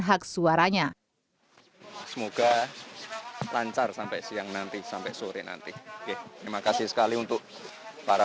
hak suaranya semoga lancar sampai siang nanti sampai sore nanti terima kasih sekali untuk para